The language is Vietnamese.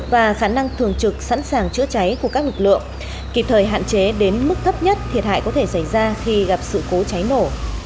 và khả năng thường trực sẵn sàng chữa cháy của các lực lượng kịp thời hạn chế đến mức thấp nhất thiệt hại có thể xảy ra khi gặp sự cố cháy nổ